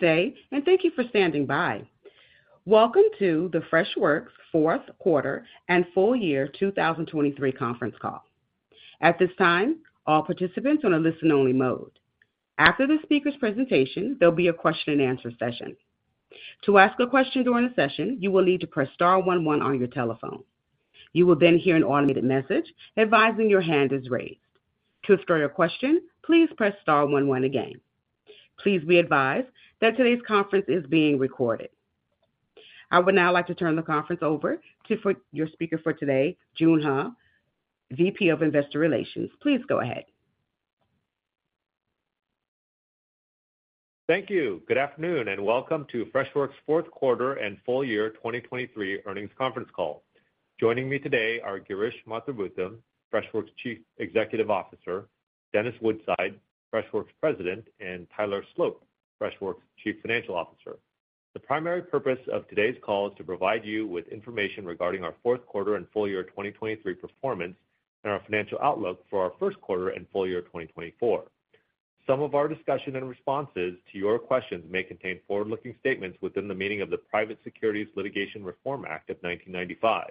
Good day and thank you for standing by. Welcome to the Freshworks fourth quarter and full year 2023 conference call. At this time, all participants are on a listen-only mode. After the speaker's presentation, there'll be a question-and-answer session. To ask a question during the session, you will need to press star one, one on your telephone. You will then hear an automated message advising your hand is raised. To ask your question, please press star one, one again. Please be advised that today's conference is being recorded. I would now like to turn the conference over to our speaker for today, Joon Huh, VP of Investor Relations. Please go ahead. Thank you. Good afternoon, and welcome to Freshworks' fourth quarter and full year 2023 earnings conference call. Joining me today are Girish Mathrubootham, Freshworks' Chief Executive Officer, Dennis Woodside, Freshworks' President, and Tyler Sloat, Freshworks' Chief Financial Officer. The primary purpose of today's call is to provide you with information regarding our fourth quarter and full year 2023 performance and our financial outlook for our first quarter and full year 2024. Some of our discussion and responses to your questions may contain forward-looking statements within the meaning of the Private Securities Litigation Reform Act of 1995.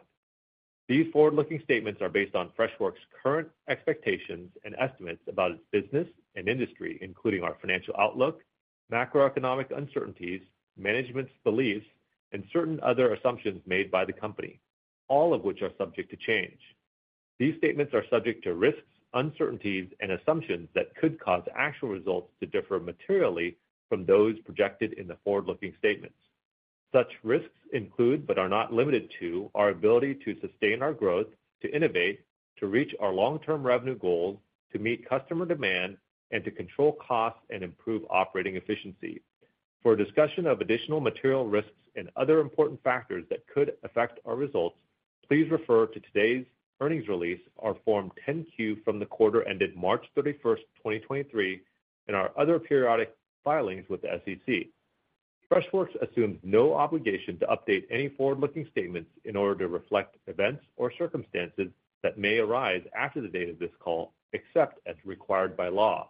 These forward-looking statements are based on Freshworks' current expectations and estimates about its business and industry, including our financial outlook, macroeconomic uncertainties, management's beliefs, and certain other assumptions made by the company, all of which are subject to change. These statements are subject to risks, uncertainties, and assumptions that could cause actual results to differ materially from those projected in the forward-looking statements. Such risks include, but are not limited to, our ability to sustain our growth, to innovate, to reach our long-term revenue goals, to meet customer demand, and to control costs and improve operating efficiency. For a discussion of additional material risks and other important factors that could affect our results, please refer to today's earnings release, our Form 10-Q from the quarter ended 31 March 2023, and our other periodic filings with the SEC. Freshworks assumes no obligation to update any forward-looking statements in order to reflect events or circumstances that may arise after the date of this call, except as required by law.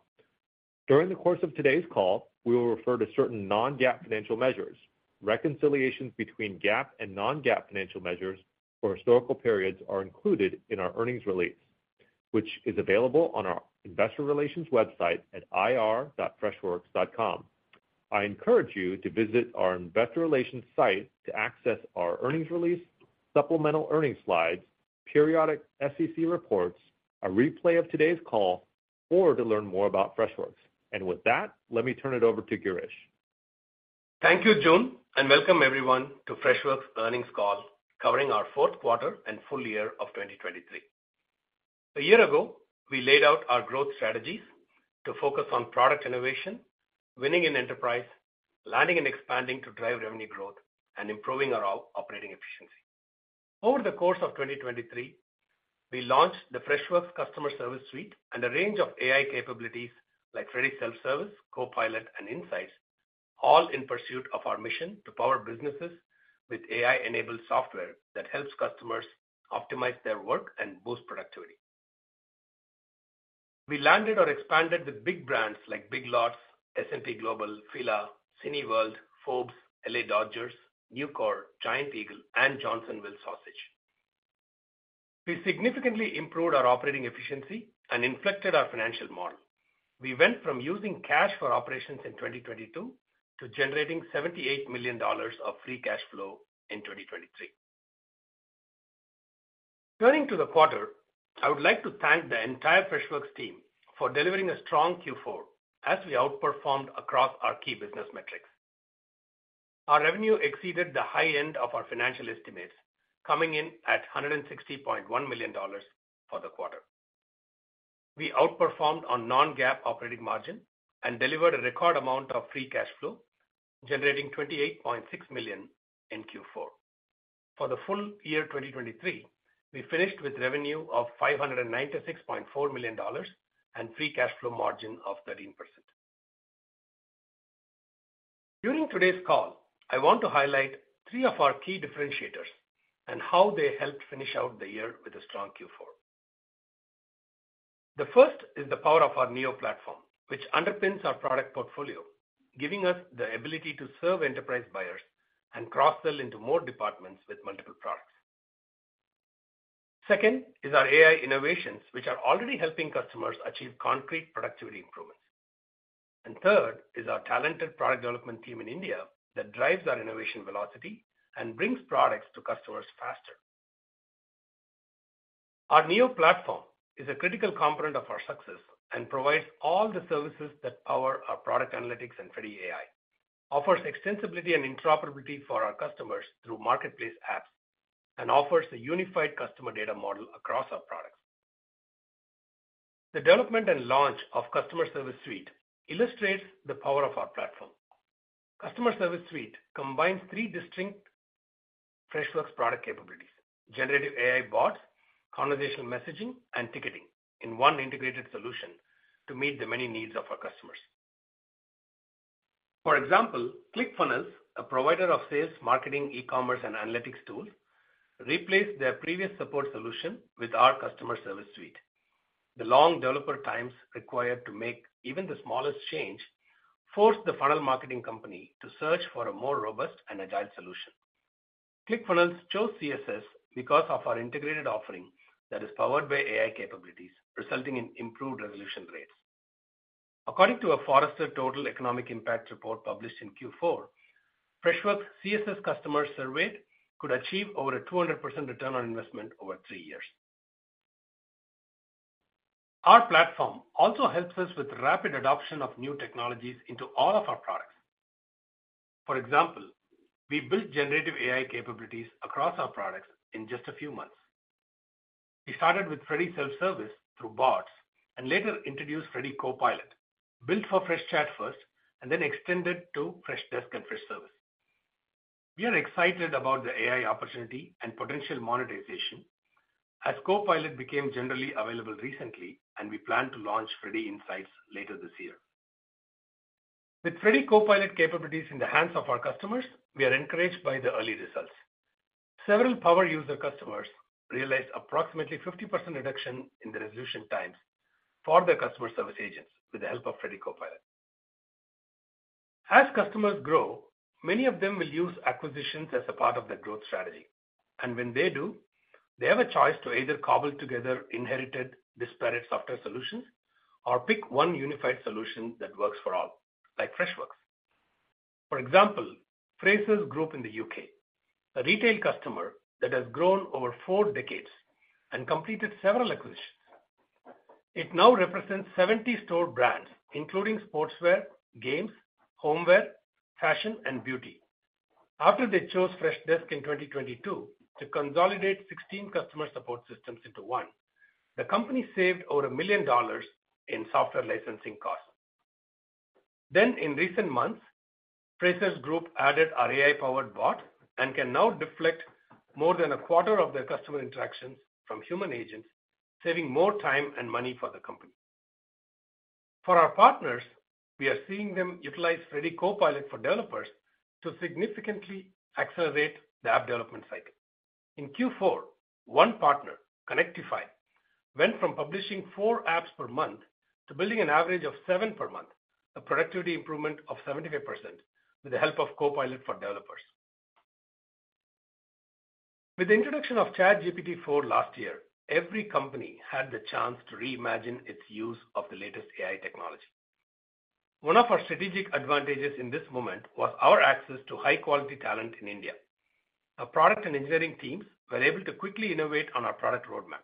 During the course of today's call, we will refer to certain non-GAAP financial measures. Reconciliations between GAAP and non-GAAP financial measures for historical periods are included in our earnings release, which is available on our investor relations website at ir.freshworks.com. I encourage you to visit our investor relations site to access our earnings release, supplemental earnings slides, periodic SEC reports, a replay of today's call, or to learn more about Freshworks. With that, let me turn it over to Girish. Thank you, Joon, and welcome everyone to Freshworks earnings call, covering our fourth quarter and full year of 2023. A year ago, we laid out our growth strategies to focus on product innovation, winning in enterprise, landing and expanding to drive revenue growth, and improving our operating efficiency. Over the course of 2023, we launched the Freshworks Customer Service Suite and a range of AI capabilities like Freddy Self Service, Copilot, and Insights, all in pursuit of our mission to power businesses with AI-enabled software that helps customers optimize their work and boost productivity. We landed or expanded with big brands like Big Lots, S&P Global, FILA, Cineworld, Forbes, LA Dodgers, Nucor, Giant Eagle, and Johnsonville Sausage. We significantly improved our operating efficiency and inflected our financial model. We went from using cash for operations in 2022 to generating $78 million of free cash flow in 2023. Turning to the quarter, I would like to thank the entire Freshworks team for delivering a strong fourth quarter as we outperformed across our key business metrics. Our revenue exceeded the high end of our financial estimates, coming in at $160.1 million for the quarter. We outperformed on Non-GAAP operating margin and delivered a record amount of free cash flow, generating $28.6 million in fourth quarter. For the full year 2023, we finished with revenue of $596.4 million and free cash flow margin of 13%. During today's call, I want to highlight three of our key differentiators and how they helped finish out the year with a strong fourth quarter. The first is the power of our Neo platform, which underpins our product portfolio, giving us the ability to serve enterprise buyers and cross-sell into more departments with multiple products. Second is our AI innovations, which are already helping customers achieve concrete productivity improvements. And third is our talented product development team in India that drives our innovation velocity and brings products to customers faster. Our Neo platform is a critical component of our success and provides all the services that power our product analytics and Freddy AI, offers extensibility and interoperability for our customers through marketplace apps, and offers a unified customer data model across our products. The development and launch of Customer Service Suite illustrates the power of our platform. Customer Service Suite combines three distinct Freshworks product capabilities: generative AI bots, conversational messaging, and ticketing in one integrated solution to meet the many needs of our customers. For example, ClickFunnels, a provider of sales, marketing, e-commerce, and analytics tools, replaced their previous support solution with our Customer Service Suite. The long developer times required to make even the smallest change forced the funnel marketing company to search for a more robust and agile solution. ClickFunnels chose CSS because of our integrated offering that is powered by AI capabilities, resulting in improved resolution rates. According to a Forrester Total Economic Impact report published in fourth quarter, Freshworks CSS customers surveyed could achieve over a 200% return on investment over three years. Our platform also helps us with rapid adoption of new technologies into all of our products. For example, we built generative AI capabilities across our products in just a few months. We started with Freddy Self Service through bots, and later introduced Freddy Copilot, built for Freshchat first and then extended to Freshdesk and Freshservice. We are excited about the AI opportunity and potential monetization as Copilot became generally available recently, and we plan to launch Freddy Insights later this year. With Freddy Copilot capabilities in the hands of our customers, we are encouraged by the early results. Several power user customers realized approximately 50% reduction in the resolution times for their customer service agents with the help of Freddy Copilot. As customers grow, many of them will use acquisitions as a part of their growth strategy, and when they do, they have a choice to either cobble together inherited, disparate software solutions or pick one unified solution that works for all, like Freshworks. For example, Frasers Group in the U.K., a retail customer that has grown over four decades and completed several acquisitions. It now represents 70 store brands, including sportswear, games, homeware, fashion, and beauty. After they chose Freshdesk in 2022 to consolidate 16 customer support systems into one, the company saved over $1 million in software licensing costs. Then, in recent months, Frasers Group added our AI-powered bot and can now deflect more than a quarter of their customer interactions from human agents, saving more time and money for the company. For our partners, we are seeing them utilize Freddy Copilot for developers to significantly accelerate the app development cycle. In fourth quarter, one partner, Konnectify, went from publishing 4 apps per month to building an average of 7 per month, a productivity improvement of 75% with the help of Copilot for developers. With the introduction of ChatGPT-4 last year, every company had the chance to reimagine its use of the latest AI technology. One of our strategic advantages in this moment was our access to high-quality talent in India. Our product and engineering teams were able to quickly innovate on our product roadmap.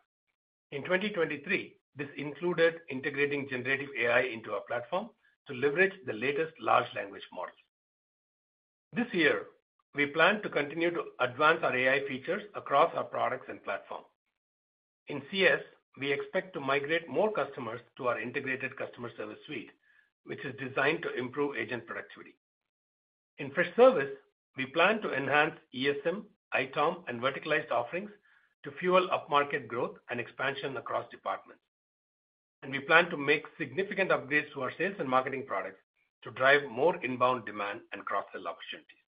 In 2023, this included integrating generative AI into our platform to leverage the latest large language models. This year, we plan to continue to advance our AI features across our products and platform. In CS, we expect to migrate more customers to our integrated customer service suite, which is designed to improve agent productivity. In Freshservice, we plan to enhance ESM, ITOM, and verticalized offerings to fuel upmarket growth and expansion across departments. We plan to make significant upgrades to our sales and marketing products to drive more inbound demand and cross-sell opportunities.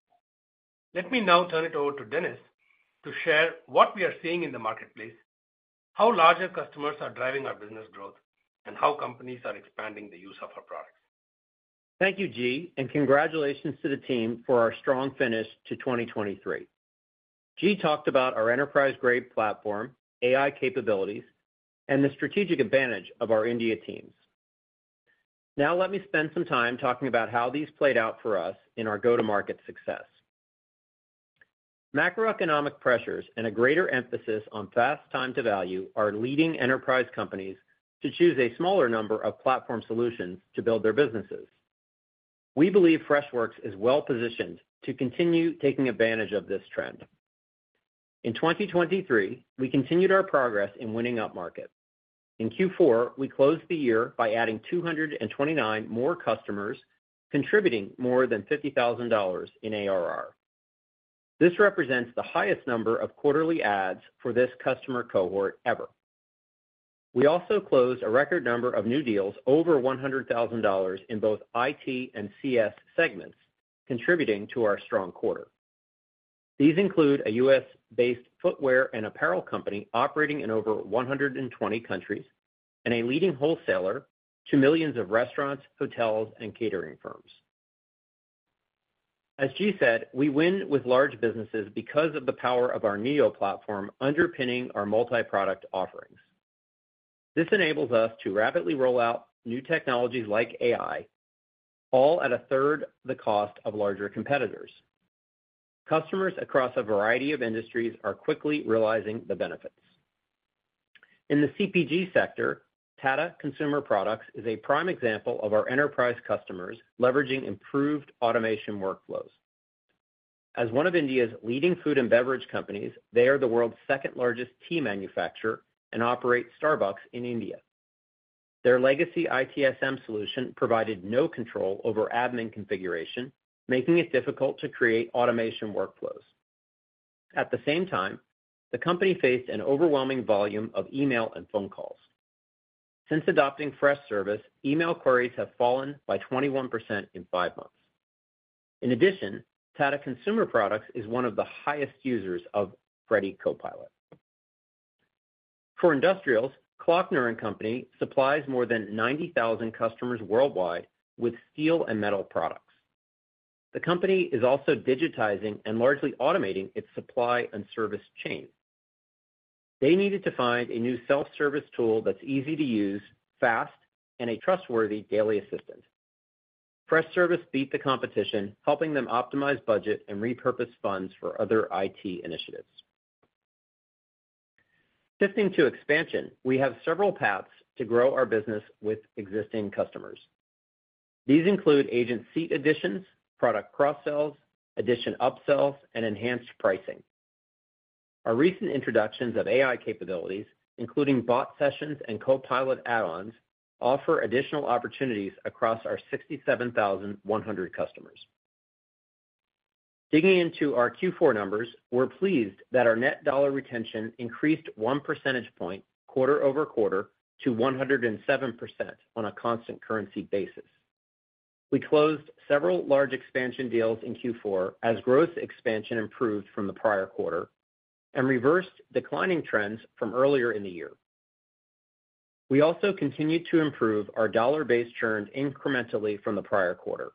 Let me now turn it over to Dennis to share what we are seeing in the marketplace, how larger customers are driving our business growth, and how companies are expanding the use of our products. Thank you, Gi, and congratulations to the team for our strong finish to 2023. G talked about our enterprise-grade platform, AI capabilities, and the strategic advantage of our India teams. Now, let me spend some time talking about how these played out for us in our go-to-market success. Macroeconomic pressures and a greater emphasis on fast time to value are leading enterprise companies to choose a smaller number of platform solutions to build their businesses. We believe Freshworks is well-positioned to continue taking advantage of this trend. In 2023, we continued our progress in winning upmarket. In fourth quarter, we closed the year by adding 229 more customers, contributing more than $50,000 in ARR. This represents the highest number of quarterly adds for this customer cohort ever. We also closed a record number of new deals, over $100,000 in both IT and CS segments, contributing to our strong quarter. These include a US-based footwear and apparel company operating in over 120 countries, and a leading wholesaler to millions of restaurants, hotels, and catering firms. As G said, we win with large businesses because of the power of our Neo platform underpinning our multi-product offerings. This enables us to rapidly roll out new technologies like AI, all at a third the cost of larger competitors. Customers across a variety of industries are quickly realizing the benefits. In the CPG sector, Tata Consumer Products is a prime example of our enterprise customers leveraging improved automation workflows. As one of India's leading food and beverage companies, they are the world's second-largest tea manufacturer and operate Starbucks in India. Their legacy ITSM solution provided no control over admin configuration, making it difficult to create automation workflows. At the same time, the company faced an overwhelming volume of email and phone calls. Since adopting Freshservice, email queries have fallen by 21% in five months. In addition, Tata Consumer Products is one of the highest users of Freddy Copilot. For industrials, Klöckner & Co. supplies more than 90,000 customers worldwide with steel and metal products. The company is also digitizing and largely automating its supply and service chain. They needed to find a new self-service tool that's easy to use, fast, and a trustworthy daily assistant. Freshservice beat the competition, helping them optimize budget and repurpose funds for other IT initiatives. Shifting to expansion, we have several paths to grow our business with existing customers. These include agent seat additions, product cross-sells, addition upsells, and enhanced pricing. Our recent introductions of AI capabilities, including bot sessions and copilot add-ons, offer additional opportunities across our 67,100 customers. Digging into our fourth quarter numbers, we're pleased that our Net Dollar Retention increased 1 percentage point quarter-over-quarter to 107% on a constant currency basis. We closed several large expansion deals in fourth quarter as growth expansion improved from the prior quarter and reversed declining trends from earlier in the year. We also continued to improve our dollar-based churn incrementally from the prior quarter.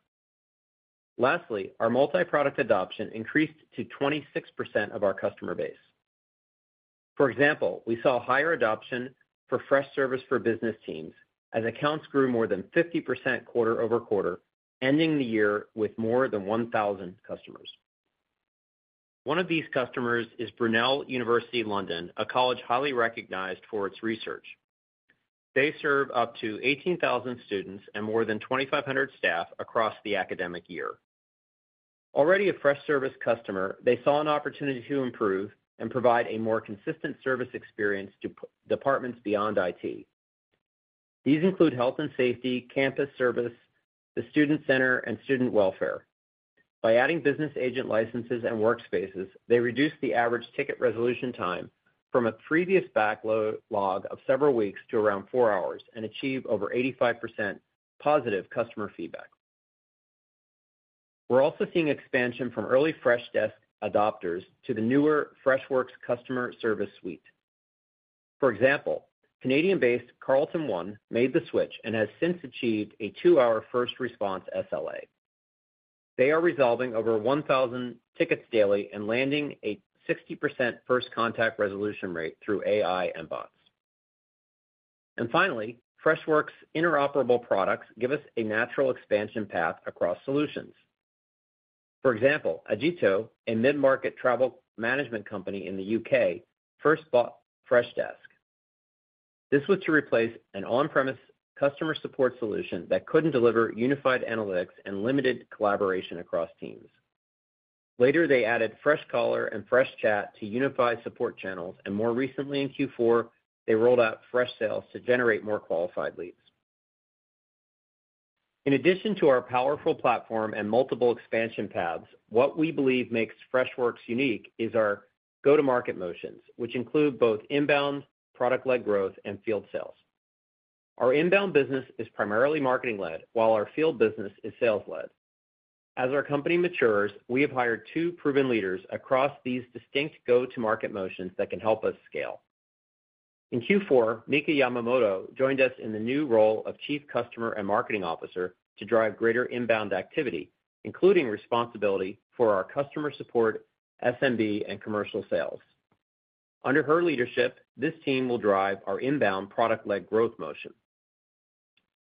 Lastly, our multi-product adoption increased to 26% of our customer base. For example, we saw higher adoption for Freshservice for Business Teams, as accounts grew more than 50% quarter-over-quarter, ending the year with more than 1,000 customers. One of these customers is Brunel University London, a college highly recognized for its research. They serve up to 18,000 students and more than 2,500 staff across the academic year. Already a Freshservice customer, they saw an opportunity to improve and provide a more consistent service experience to departments beyond IT. These include health and safety, campus service, the student center, and student welfare. By adding business agent licenses and workspaces, they reduced the average ticket resolution time from a previous backload log of several weeks to around 4 hours, and achieved over 85% positive customer feedback. We're also seeing expansion from early Freshdesk adopters to the newer Freshworks Customer Service Suite. For example, Canadian-based CarltonOne made the switch and has since achieved a 2-hour first response SLA. They are resolving over 1,000 tickets daily and landing a 60% first contact resolution rate through AI and bots. And finally, Freshworks interoperable products give us a natural expansion path across solutions. For example, Agiito, a mid-market travel management company in the UK, first bought Freshdesk. This was to replace an on-premise customer support solution that couldn't deliver unified analytics and limited collaboration across teams. Later, they added Freshcaller and Freshchat to unify support channels, and more recently, in fourth quarter, they rolled out Freshsales to generate more qualified leads. In addition to our powerful platform and multiple expansion paths, what we believe makes Freshworks unique is our go-to-market motions, which include both inbound, product-led growth, and field sales. Our inbound business is primarily marketing-led, while our field business is sales-led. As our company matures, we have hired two proven leaders across these distinct go-to-market motions that can help us scale. In fourth quarter, Mika Yamamoto joined us in the new role of Chief Customer and Marketing Officer to drive greater inbound activity, including responsibility for our customer support, SMB, and commercial sales. Under her leadership, this team will drive our inbound product-led growth motion.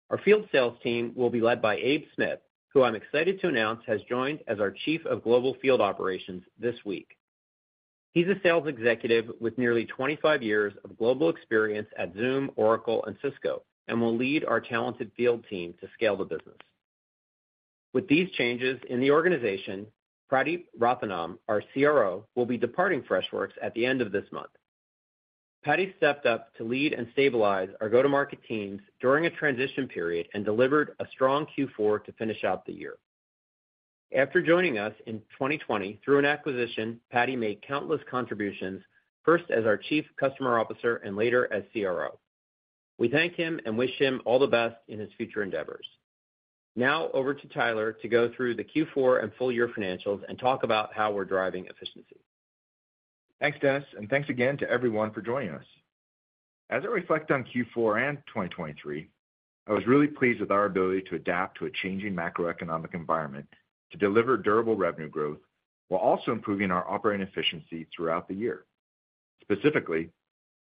Our field sales team will be led by Abe Smith, who I'm excited to announce, has joined as our Chief of Global Field Operations this week. He's a sales executive with nearly 25 years of global experience at Zoom, Oracle, and Cisco, and will lead our talented field team to scale the business. With these changes in the organization, Pradeep Rathinam, our CRO, will be departing Freshworks at the end of this month. Paddy stepped up to lead and stabilize our go-to-market teams during a transition period and delivered a strong fourth quarter to finish out the year. After joining us in 2020 through an acquisition, Paddy made countless contributions, first as our Chief Customer Officer and later as CRO. We thank him and wish him all the best in his future endeavors. Now over to Tyler to go through the fourth quarter and full year financials and talk about how we're driving efficiency. Thanks, Dennis, and thanks again to everyone for joining us. As I reflect on fourth quarter and 2023, I was really pleased with our ability to adapt to a changing macroeconomic environment to deliver durable revenue growth while also improving our operating efficiency throughout the year. Specifically,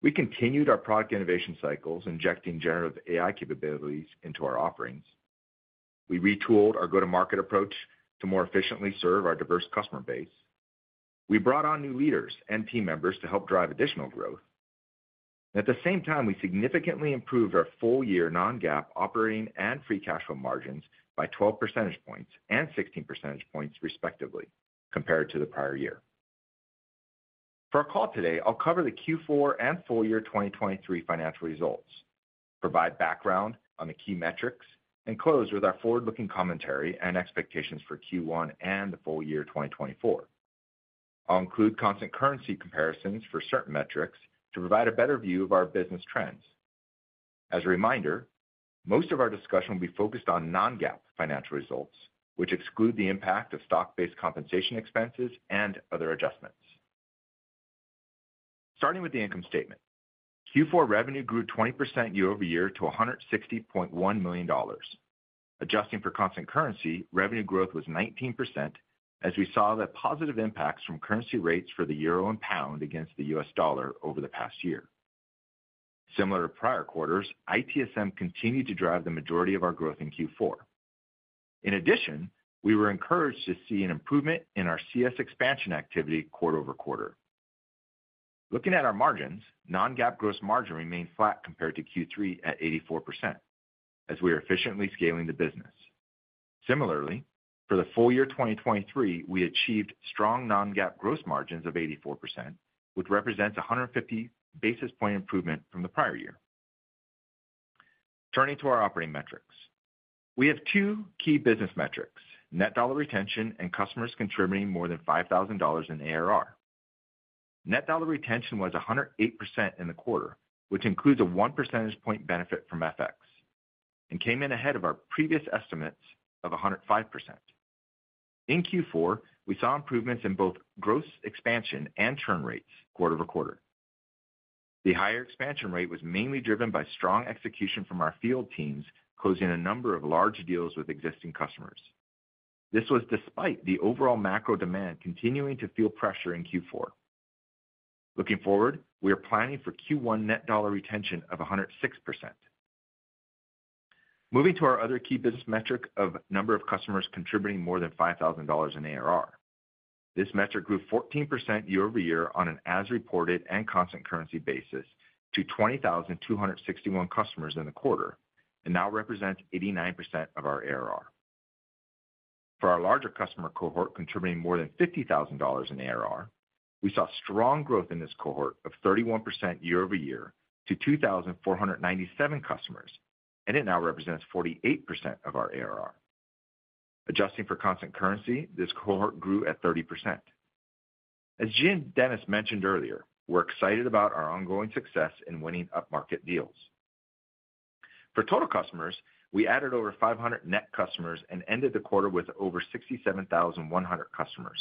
we continued our product innovation cycles, injecting generative AI capabilities into our offerings. We retooled our go-to-market approach to more efficiently serve our diverse customer base. We brought on new leaders and team members to help drive additional growth. At the same time, we significantly improved our full-year non-GAAP, operating and free cash flow margins by 12 percentage points and 16 percentage points, respectively, compared to the prior year. For our call today, I'll cover the fourth quarter and full year 2023 financial results, provide background on the key metrics, and close with our forward-looking commentary and expectations for first quarter and the full year 2024. I'll include constant currency comparisons for certain metrics to provide a better view of our business trends. As a reminder, most of our discussion will be focused on non-GAAP financial results, which exclude the impact of stock-based compensation expenses and other adjustments. Starting with the income statement, fourth quarter revenue grew 20% year-over-year to $160.1 million. Adjusting for constant currency, revenue growth was 19%, as we saw the positive impacts from currency rates for the euro and pound against the US dollar over the past year. Similar to prior quarters, ITSM continued to drive the majority of our growth in fourth quarter. In addition, we were encouraged to see an improvement in our CS expansion activity quarter-over-quarter. Looking at our margins, non-GAAP gross margin remained flat compared to third quarter at 84%, as we are efficiently scaling the business. Similarly, for the full year 2023, we achieved strong non-GAAP gross margins of 84%, which represents a 150 basis point improvement from the prior year. Turning to our operating metrics. We have two key business metrics: net dollar retention and customers contributing more than $5,000 in ARR. Net dollar retention was 108% in the quarter, which includes a 1 percentage point benefit from FX, and came in ahead of our previous estimates of 105%. In fourth quarter, we saw improvements in both gross expansion and churn rates quarter-over-quarter. The higher expansion rate was mainly driven by strong execution from our field teams, closing a number of large deals with existing customers. This was despite the overall macro demand continuing to feel pressure in fourth quarter. Looking forward, we are planning for first quarter net dollar retention of 106%. Moving to our other key business metric of number of customers contributing more than $5,000 in ARR. This metric grew 14% year-over-year on an as-reported and constant currency basis to 20,261 customers in the quarter, and now represents 89% of our ARR. For our larger customer cohort, contributing more than $50,000 in ARR, we saw strong growth in this cohort of 31% year-over-year to 2,497 customers, and it now represents 48% of our ARR. Adjusting for constant currency, this cohort grew at 30%. As CEO Dennis mentioned earlier, we're excited about our ongoing success in winning upmarket deals. For total customers, we added over 500 net customers and ended the quarter with over 67,100 customers.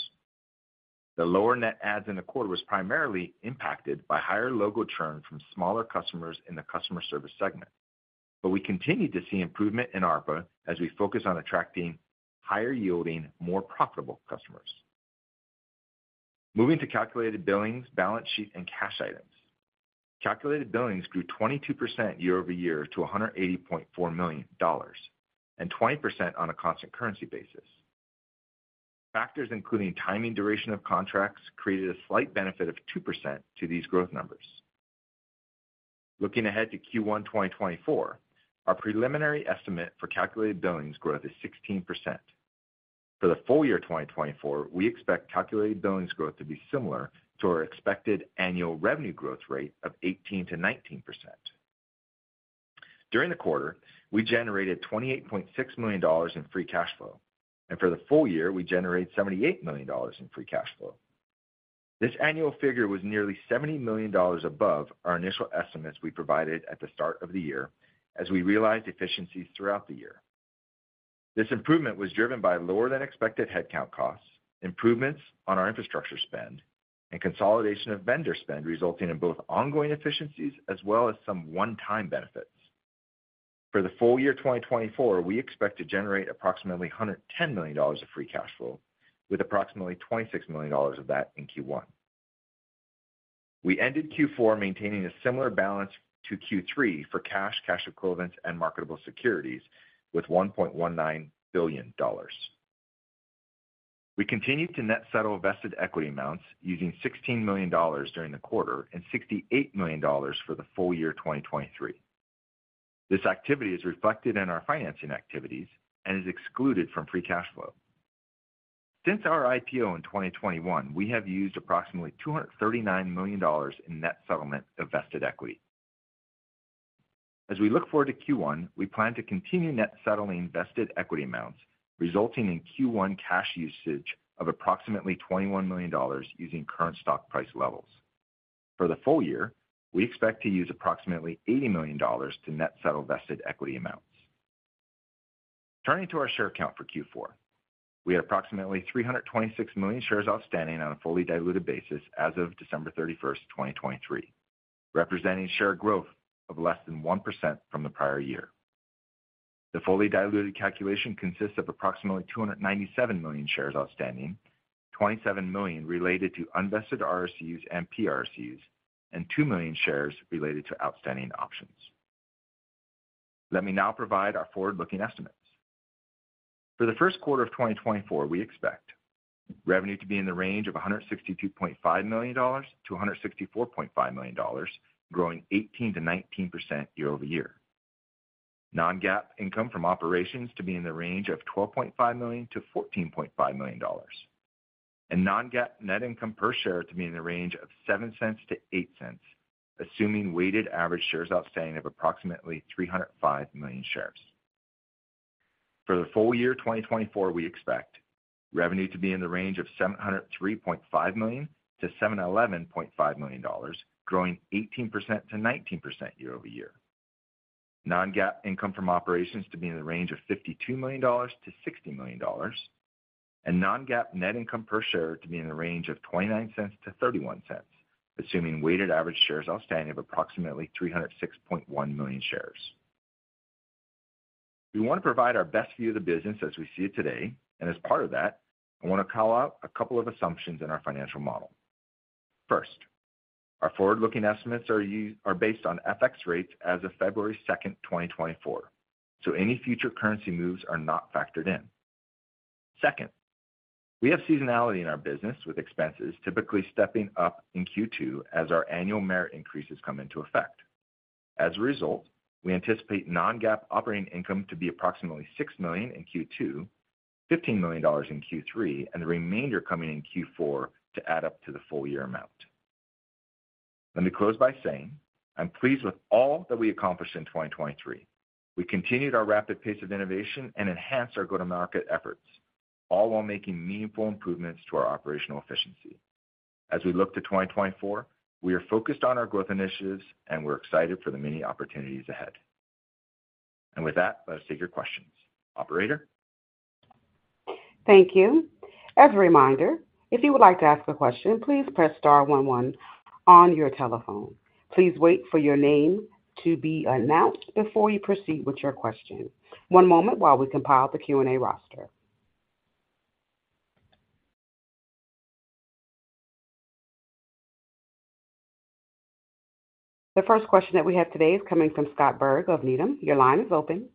The lower net adds in the quarter was primarily impacted by higher logo churn from smaller customers in the customer service segment. But we continue to see improvement in ARPA as we focus on attracting higher-yielding, more profitable customers. Moving to calculated billings, balance sheet, and cash items. Calculated billings grew 22% year-over-year to $180.4 million, and 20% on a constant currency basis. Factors including timing, duration of contracts, created a slight benefit of 2% to these growth numbers. Looking ahead to first quarter 2024, our preliminary estimate for calculated billings growth is 16%. For the full year 2024, we expect calculated billings growth to be similar to our expected annual revenue growth rate of 18% to 19%. During the quarter, we generated $28.6 million in free cash flow, and for the full year, we generated $78 million in free cash flow. This annual figure was nearly $70 million above our initial estimates we provided at the start of the year, as we realized efficiencies throughout the year. This improvement was driven by lower-than-expected headcount costs, improvements on our infrastructure spend, and consolidation of vendor spend, resulting in both ongoing efficiencies as well as some one-time benefits. For the full year 2024, we expect to generate approximately $110 million of free cash flow, with approximately $26 million of that in first quarter. We ended fourth quarter maintaining a similar balance to third quarter for cash, cash equivalents, and marketable securities with $1.19 billion. We continued to net settle vested equity amounts, using $16 million during the quarter and $68 million for the full year 2023. This activity is reflected in our financing activities and is excluded from free cash flow. Since our IPO in 2021, we have used approximately $239 million in net settlement of vested equity. As we look forward to first quarter, we plan to continue net settling vested equity amounts, resulting in first quarter cash usage of approximately $21 million using current stock price levels. For the full year, we expect to use approximately $80 million to net settle vested equity amounts. Turning to our share count for fourth quarter, we had approximately 326 million shares outstanding on a fully diluted basis as of 31 December 2023, representing share growth of less than 1% from the prior year. The fully diluted calculation consists of approximately 297 million shares outstanding, 27 million related to unvested RSU and PRSU, and 2 million shares related to outstanding options. Let me now provide our forward-looking estimates. For the first quarter of 2024, we expect revenue to be in the range of $162.5 to 164.5 million, growing 18% to 19% year-over-year. Non-GAAP income from operations to be in the range of $12.5 to 14.5 million. And non-GAAP net income per share to be in the range of $0.07 to 0.08, assuming weighted average shares outstanding of approximately 305 million shares. For the full year, 2024, we expect revenue to be in the range of $703.5 to 711.5 million, growing 18% to 19% year-over-year. Non-GAAP income from operations to be in the range of $52 to 60 million, and non-GAAP net income per share to be in the range of $0.29 to 0.31, assuming weighted average shares outstanding of approximately 306.1 million shares. We want to provide our best view of the business as we see it today, and as part of that, I want to call out a couple of assumptions in our financial model. First, our forward-looking estimates are based on FX rates as of 2 February 2024, so any future currency moves are not factored in. Second, we have seasonality in our business, with expenses typically stepping up in second quarter as our annual merit increases come into effect. As a result, we anticipate non-GAAP operating income to be approximately $6 million in second quarter, $15 million in third quarter, and the remainder coming in fourth quarter to add up to the full year amount. Let me close by saying I'm pleased with all that we accomplished in 2023.We continued our rapid pace of innovation and enhanced our go-to-market efforts, all while making meaningful improvements to our operational efficiency. As we look to 2024, we are focused on our growth initiatives, and we're excited for the many opportunities ahead. With that, let us take your questions. Operator? Thank you. As a reminder, if you would like to ask a question, please press star one, one on your telephone. Please wait for your name to be announced before you proceed with your question. One moment while we compile the Q&A roster. The first question that we have today is coming from Scott Berg of Needham. Your line is open.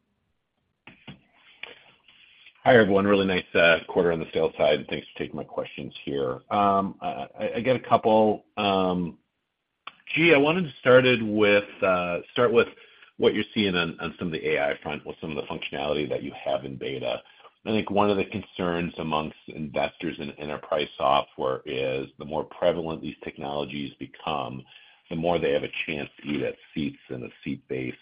Hi, everyone. Really nice quarter on the sales side, and thanks for taking my questions here. I got a couple. Gee, I wanted to start with what you're seeing on some of the AI front, with some of the functionality that you have in beta. I think one of the concerns amongst investors in enterprise software is, the more prevalent these technologies become, the more they have a chance to eat at seats in a seat-based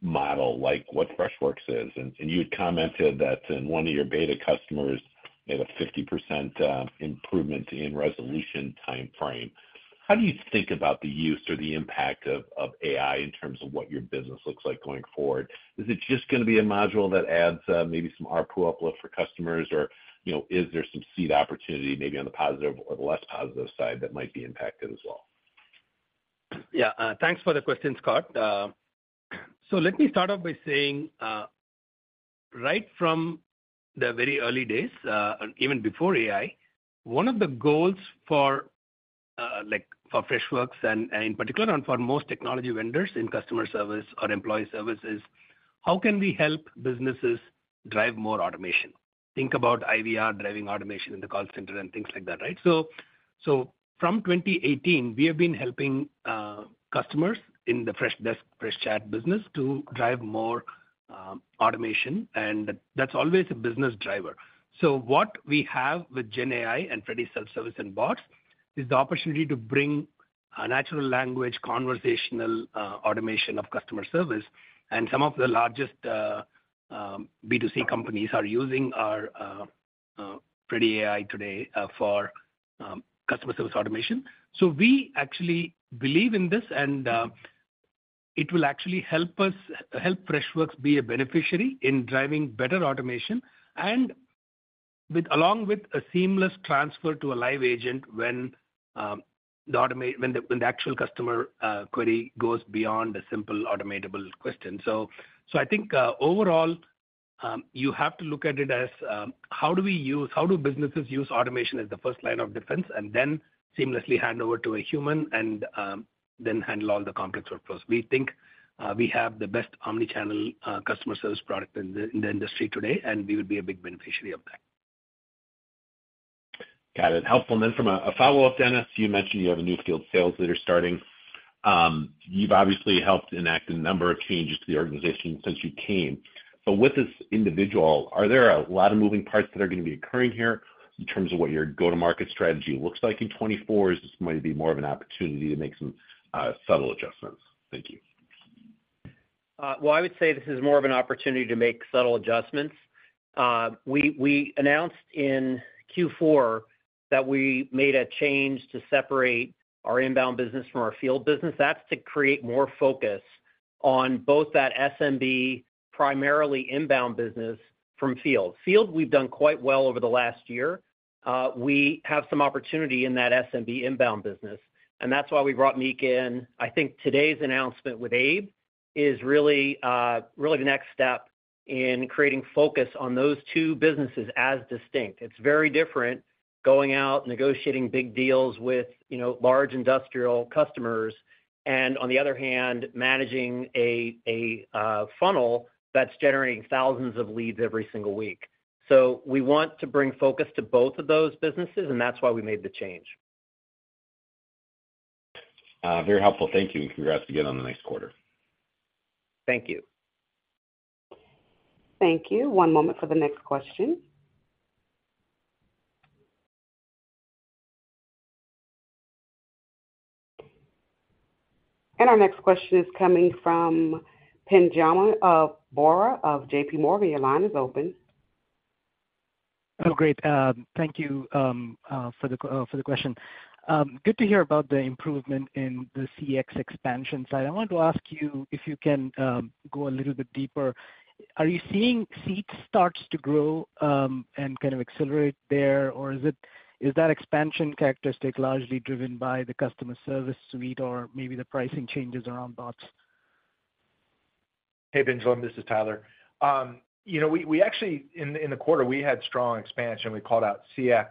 model like what Freshworks is. And you had commented that in one of your beta customers, they have a 50% improvement in resolution time frame. How do you think about the use or the impact of AI in terms of what your business looks like going forward? Is it just going to be a module that adds, maybe some ARPU uplift for customers, or, you know, is there some seat opportunity, maybe on the positive or the less positive side, that might be impacted as well? Yeah, thanks for the question, Scott. So let me start off by saying, right from the very early days, even before AI, one of the goals for, like, for Freshworks and in particular, on for most technology vendors in customer service or employee services, how can we help businesses drive more automation? Think about IVR driving automation in the call center and things like that, right? So from 2018, we have been helping customers in the Freshdesk, Freshchat business to drive more automation, and that's always a business driver. So what we have with GenAI and Freddy Self Service and Bots is the opportunity to bring a natural language, conversational automation of customer service. And some of the largest B2C companies are using our Freddy AI today for customer service automation. So we actually believe in this, and, it will actually help us, help Freshworks be a beneficiary in driving better automation. And along with a seamless transfer to a live agent, when the actual customer query goes beyond a simple automatable question. So I think, overall, you have to look at it as, how do businesses use automation as the first line of defense, and then seamlessly hand over to a human and, then handle all the complex workflows. We think, we have the best omni-channel customer service product in the industry today, and we will be a big beneficiary of that. Got it. Helpful. Then from a follow-up, Dennis, you mentioned you have a new field sales leader starting. You've obviously helped enact a number of changes to the organization since you came. But with this individual, are there a lot of moving parts that are going to be occurring here in terms of what your go-to-market strategy looks like in 2024? Or is this going to be more of an opportunity to make some subtle adjustments? Thank you. Well, I would say this is more of an opportunity to make subtle adjustments. We announced in fourth quarter that we made a change to separate our inbound business from our field business. That's to create more focus on both that SMB, primarily inbound business from field. Field, we've done quite well over the last year. We have some opportunity in that SMB inbound business, and that's why we brought Mika in. I think today's announcement with Abe is really, really the next step in creating focus on those two businesses as distinct. It's very different going out, negotiating big deals with, you know, large industrial customers, and on the other hand, managing a funnel that's generating thousands of leads every single week. So we want to bring focus to both of those businesses, and that's why we made the change. Very helpful. Thank you, and congrats again on the next quarter. Thank you. Thank you. One moment for the next question. And our next question is coming from Pinjalim Bora of JPMorgan. Your line is open. Oh, great. Thank you for the question. Good to hear about the improvement in the CX expansion side. I wanted to ask you if you can go a little bit deeper. Are you seeing seats start to grow and kind of accelerate there? Or is it- is that expansion characteristic largely driven by the Customer Service Suite, or maybe the pricing changes around bots? Hey, Panjalim, this is Tyler. You know, we actually, in the quarter, we had strong expansion. We called out CX.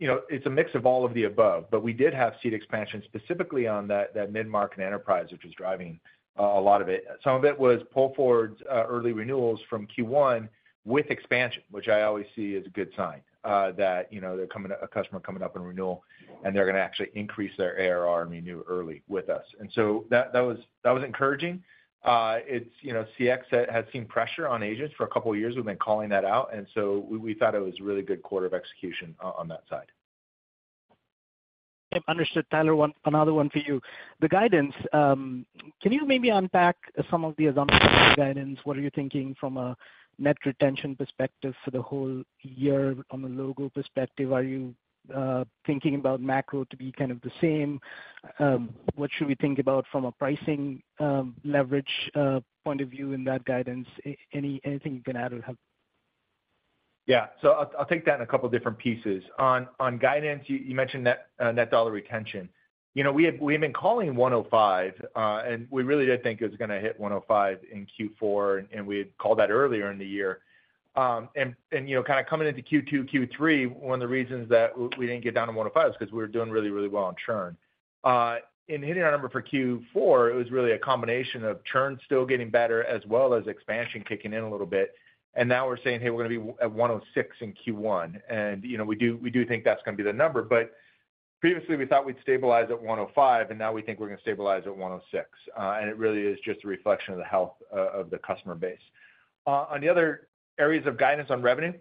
You know, it's a mix of all of the above, but we did have seat expansion specifically on that mid-market enterprise, which was driving a lot of it. Some of it was pull forwards, early renewals from first quarter with expansion, which I always see as a good sign, that, you know, they're coming... a customer coming up in renewal, and they're going to actually increase their ARR and renew early with us. And so that was encouraging. You know, CX has seen pressure on agents for a couple of years. We've been calling that out, and so we thought it was a really good quarter of execution on that side. Understood, Tyler. Another one for you. The guidance, can you maybe unpack some of the assumptions in the guidance? What are you thinking from a net retention perspective for the whole year on the logo perspective? Are you thinking about macro to be kind of the same? What should we think about from a pricing, leverage, point of view in that guidance? Anything you can add or help? Yeah. So I'll take that in a couple different pieces. On guidance, you mentioned net dollar retention. You know, we have been calling 105, and we really did think it was going to hit 105 in fourth quarter, and we had called that earlier in the year. And, you know, kind of coming into second quarter, third quarter, one of the reasons that we didn't get down to 105 is because we were doing really, really well on churn. In hitting our number for fourth quarter, it was really a combination of churn still getting better, as well as expansion kicking in a little bit. And now we're saying, "Hey, we're going to be at 106 in first quarter." And, you know, we do, we do think that's going to be the number, but previously, we thought we'd stabilize at 105, and now we think we're going to stabilize at 106. And it really is just a reflection of the health of the customer base. On the other areas of guidance on revenue,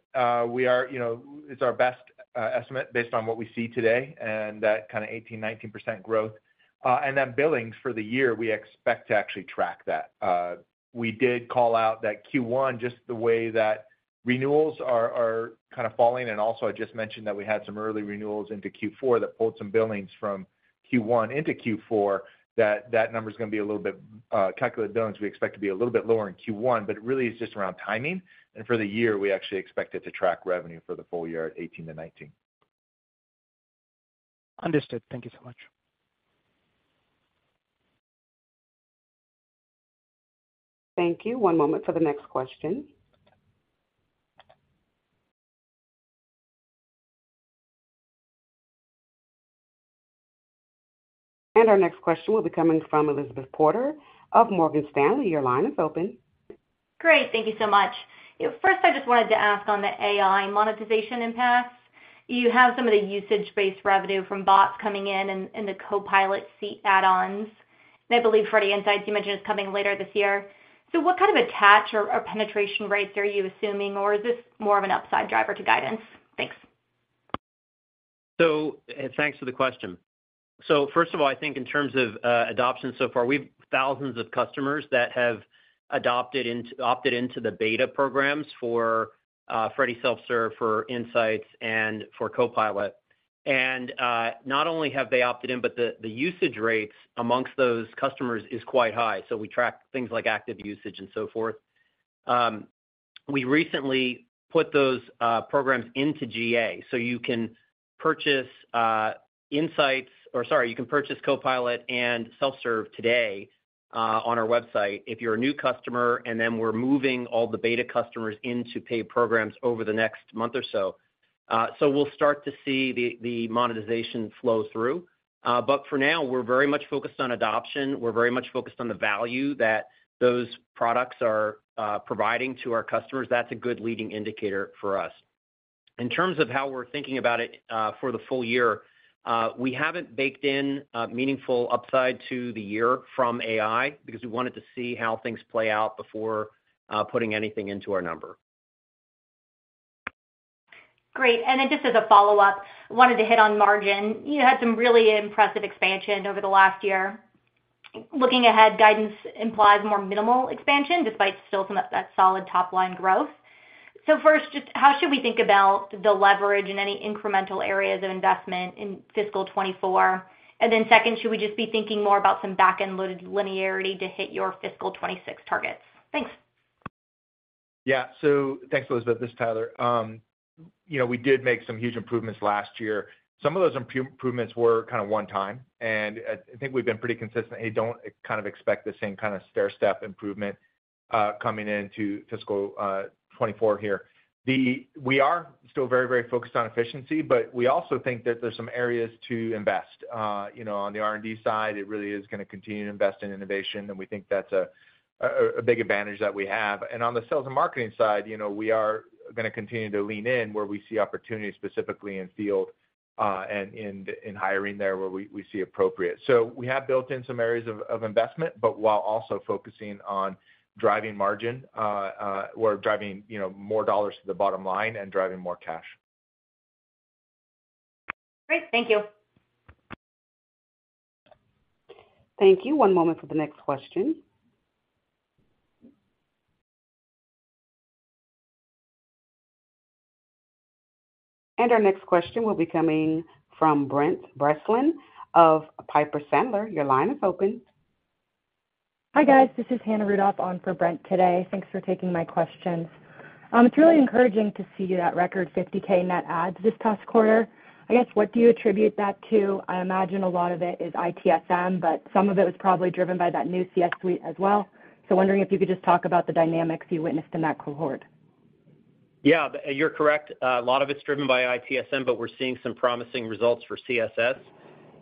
we are, you know, it's our best estimate based on what we see today, and that kind of 18% to 19% growth. And then billings for the year, we expect to actually track that. We did call out that first quarter, just the way that renewals are kind of falling, and also I just mentioned that we had some early renewals into fourth quarter that pulled some billings from first quarter into fourth quarter. That number is going to be a little bit calculated down, so we expect to be a little bit lower in first quarter, but it really is just around timing. For the year, we actually expect it to track revenue for the full year at 18-19. Understood. Thank you so much. Thank you. One moment for the next question. Our next question will be coming from Elizabeth Porter of Morgan Stanley. Your line is open. Great. Thank you so much. First, I just wanted to ask on the AI monetization impacts. You have some of the usage-based revenue from bots coming in and the Copilot seat add-ons. And I believe Freddy Insights, you mentioned, is coming later this year. So what kind of attach or penetration rates are you assuming, or is this more of an upside driver to guidance? Thanks. Thanks for the question. First of all, I think in terms of adoption so far, we have thousands of customers that have opted into the beta programs for Freddy Self Service, for Insights and for Copilot. And not only have they opted in, but the usage rates amongst those customers is quite high. So we track things like active usage and so forth. We recently put those programs into GA, so you can purchase Insights, or sorry, you can purchase Copilot and Self-Service today on our website if you're a new customer, and then we're moving all the beta customers into paid programs over the next month or so. So we'll start to see the monetization flow through. But for now, we're very much focused on adoption. We're very much focused on the value that those products are providing to our customers. That's a good leading indicator for us. In terms of how we're thinking about it, for the full year, we haven't baked in a meaningful upside to the year from AI, because we wanted to see how things play out before putting anything into our number. Great. And then just as a follow-up, I wanted to hit on margin. You had some really impressive expansion over the last year. Looking ahead, guidance implies more minimal expansion, despite still some of that solid top-line growth. So first, just how should we think about the leverage in any incremental areas of investment in fiscal 2024? And then second, should we just be thinking more about some back-end-loaded linearity to hit your fiscal 2026 targets? Thanks. Yeah. So thanks, Elizabeth. This is Tyler. You know, we did make some huge improvements last year. Some of those improvements were kind of one time, and I, I think we've been pretty consistent. I don't kind of expect the same kind of stairstep improvement coming into fiscal 2024 here. We are still very, very focused on efficiency, but we also think that there's some areas to invest. You know, on the R&D side, it really is going to continue to invest in innovation, and we think that's a big advantage that we have. And on the sales and marketing side, you know, we are going to continue to lean in where we see opportunities, specifically in field and in hiring there, where we see appropriate. We have built in some areas of investment, but while also focusing on driving margin, or driving, you know, more dollars to the bottom line and driving more cash. Great. Thank you. Thank you. One moment for the next question. Our next question will be coming from Brent Bracelin of Piper Sandler. Your line is open. Hi, guys, this is Hannah Rudoff on for Brent today. Thanks for taking my questions. It's really encouraging to see that record 50K net adds this past quarter. I guess, what do you attribute that to? I imagine a lot of it is ITSM, but some of it was probably driven by that new CS suite as well. So, wondering if you could just talk about the dynamics you witnessed in that cohort. Yeah, you're correct. A lot of it's driven by ITSM, but we're seeing some promising results for CSS.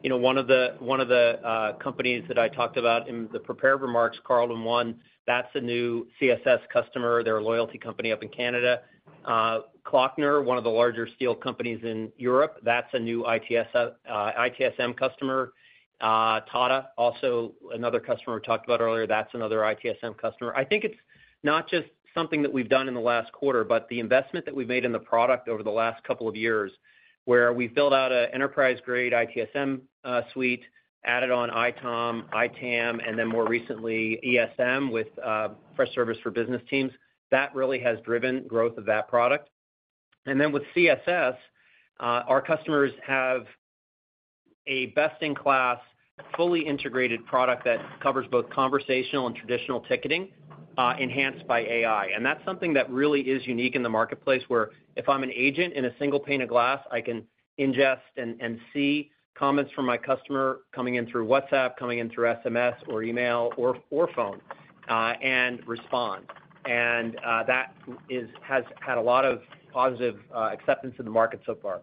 You know, one of the companies that I talked about in the prepared remarks, CarltonOne, that's a new CSS customer. They're a loyalty company up in Canada. Klockner, one of the larger steel companies in Europe, that's a new ITSM customer. Tata, also another customer we talked about earlier, that's another ITSM customer. I think it's not just something that we've done in the last quarter, but the investment that we've made in the product over the last couple of years, where we've built out an enterprise-grade ITSM suite, added on ITOM, ITAM, and then more recently, ESM with Freshservice for Business Teams. That really has driven growth of that product. Then with CSS, our customers have a best-in-class, fully integrated product that covers both conversational and traditional ticketing, enhanced by AI. And that's something that really is unique in the marketplace, where if I'm an agent in a single pane of glass, I can ingest and see comments from my customer coming in through WhatsApp, coming in through SMS, or email, or phone, and respond. And that has had a lot of positive acceptance in the market so far.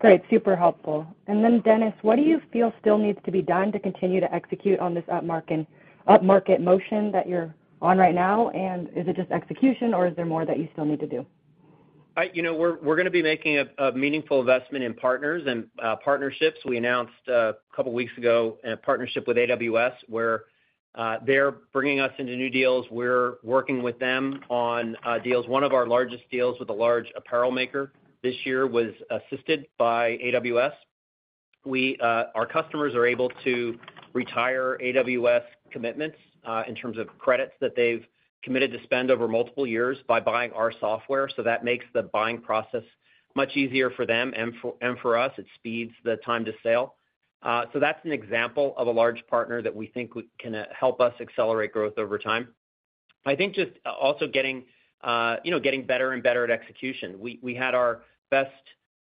Great, super helpful. And then, Dennis, what do you feel still needs to be done to continue to execute on this upmarket, upmarket motion that you're on right now? And is it just execution, or is there more that you still need to do? You know, we're gonna be making a meaningful investment in partners and partnerships. We announced a couple of weeks ago a partnership with AWS, where they're bringing us into new deals. We're working with them on deals. One of our largest deals with a large apparel maker this year was assisted by AWS. Our customers are able to retire AWS commitments in terms of credits that they've committed to spend over multiple years by buying our software. So that makes the buying process much easier for them. And for us, it speeds the time to sale. So that's an example of a large partner that we think can help us accelerate growth over time. I think just also getting you know, getting better and better at execution. We had our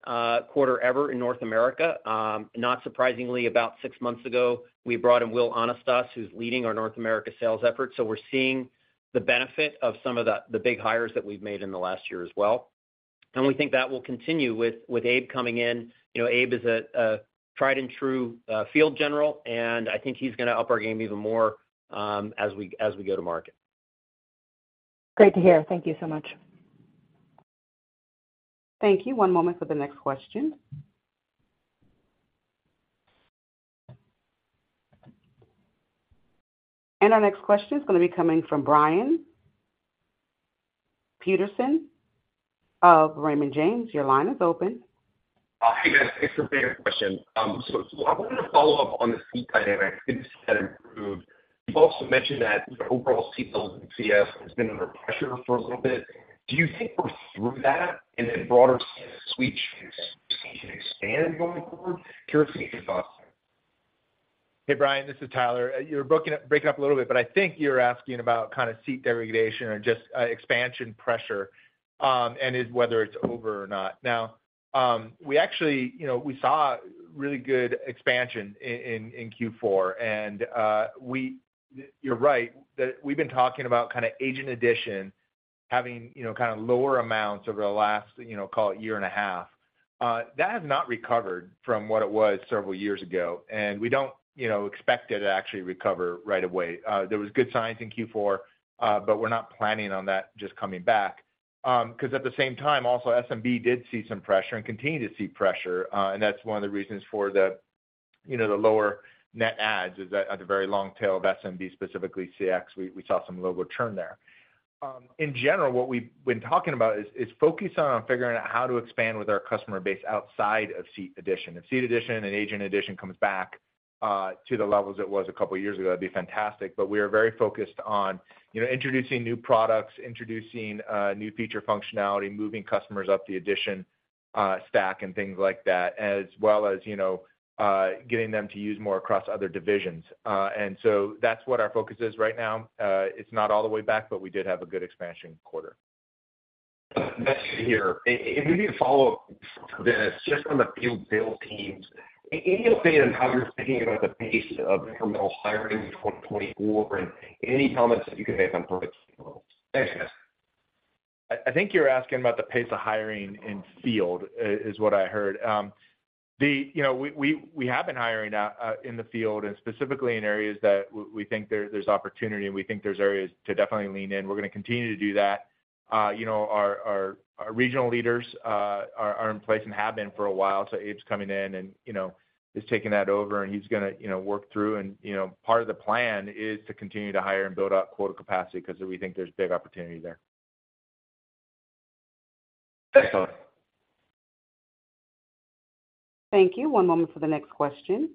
best quarter ever in North America. Not surprisingly, about six months ago, we brought in Will Anastas, who's leading our North America sales effort. So, we're seeing the benefit of some of the big hires that we've made in the last year as well, and we think that will continue with Abe coming in. You know, Abe is a tried-and-true field general, and I think he's gonna up our game even more, as we go to market. Great to hear. Thank you so much. Thank you. One moment for the next question. Our next question is gonna be coming from Brian Peterson of Raymond James. Your line is open. Hey, guys, thanks for taking the question. So I wanted to follow up on the seat dynamics that improved. You've also mentioned that the overall seat build in CS has been under pressure for a little bit. Do you think we're through that in the broader suite can expand going forward? Curious of your thoughts. Hey, Brian, this is Tyler. You're breaking up, breaking up a little bit, but I think you're asking about kind of seat degradation or just, expansion pressure, and is whether it's over or not. Now, we actually, you know, we saw really good expansion in, in fourth quarter, and, we-- you're right, that we've been talking about kinda agent addition, having, you know, kinda lower amounts over the last, you know, call it year and a half. That has not recovered from what it was several years ago, and we don't, you know, expect it to actually recover right away. There was good signs in fourth quarter, but we're not planning on that just coming back. 'Cause at the same time also, SMB did see some pressure and continue to see pressure, and that's one of the reasons for the, you know, the lower net adds is that at the very long tail of SMB, specifically CX, we saw some logo turn there. In general, what we've been talking about is focusing on figuring out how to expand with our customer base outside of seat addition. If seat addition and agent addition comes back to the levels it was a couple of years ago, that'd be fantastic, but we are very focused on, you know, introducing new products, introducing new feature functionality, moving customers up the addition stack and things like that, as well as, you know, getting them to use more across other divisions. And so that's what our focus is right now. It's not all the way back, but we did have a good expansion quarter. Good to hear. Maybe a follow-up to this, just on the field sales teams, any update on how you're thinking about the pace of incremental hiring in 2024, and any comments that you could make on product levels? Thanks, guys. I think you're asking about the pace of hiring in field is what I heard. You know, we have been hiring in the field and specifically in areas that we think there's opportunity, and we think there's areas to definitely lean in. We're gonna continue to do that. You know, our regional leaders are in place and have been for a while, so Abe's coming in and, you know, is taking that over, and he's gonna, you know, work through. You know, part of the plan is to continue to hire and build out quota capacity 'cause we think there's big opportunity there. Thanks, Tyler. Thank you. One moment for the next question.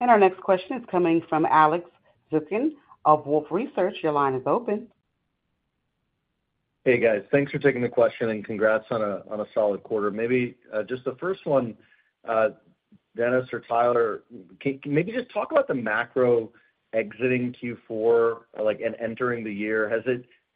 Our next question is coming from Alex Zukin of Wolfe Research. Your line is open. Hey, guys. Thanks for taking the question, and congrats on a solid quarter. Maybe just the first one, Dennis or Tyler, can maybe just talk about the macro exiting fourth quarter, like, and entering the year.